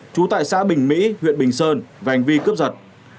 trú tại xã bình mỹ huyện bình sơn về hành vi cướp giật